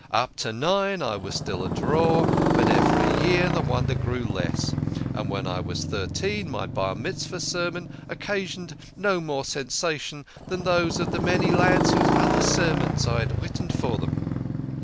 Up to nine I was still a draw, but every year the wonder grew less, and, when I was thirteen, my Bar Mitzvah (confirma tion) sermon occasioned no more sensation than those of the many other lads whose sermons I had written for them.